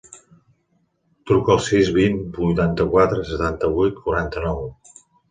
Truca al sis, vint, vuitanta-quatre, setanta-vuit, quaranta-nou.